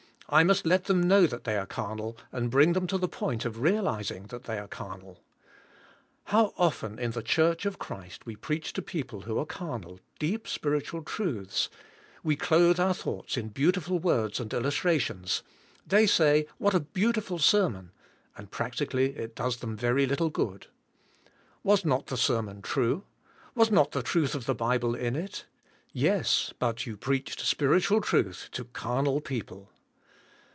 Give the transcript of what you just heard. I must let them know that they are carnal and bring them to the point of realizing that they are carnal. How often CARNAI. OR SPIRlTUAt. 9 in the church of Christ we preach to people who are carnal, deep spiritual truths; we clothe our thoughts in beautiful words and illustrations; they say "What a beautiful sermon" and practically it does them very little g ood. "Was not the sermon true? Was not the truth of the Bible in it? Yes, but you preached spiritual truth to carnal people.